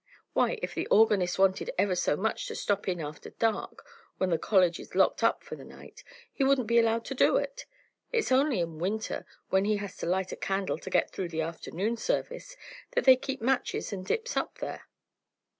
Why, if the organist wanted ever so much to stop in after dark, when the college is locked up for the night, he wouldn't be allowed to do it! It's only in winter, when he has to light a candle to get through the afternoon service, that they keep matches and dips up there."